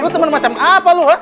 lu temen macam apa lu